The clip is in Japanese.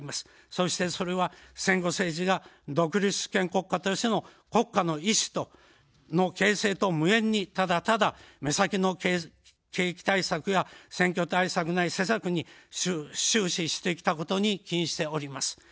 そして、それは戦後政治が独立主権国家としての国家の意志の形成と無縁に、ただただ、目先の景気対策や選挙対策内施策に終始してきたことに起因しております。